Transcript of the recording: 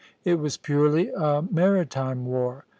It was purely a maritime war.